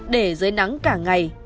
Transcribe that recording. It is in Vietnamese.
để dưới nắng cả ngày